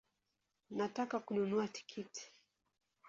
Nataka kununua tikiti